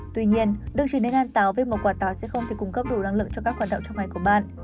tuy nhiên đừng chỉ nên ăn táo vì một quả táo sẽ không thể cung cấp đủ năng lượng cho các hoạt động trong ngày của bạn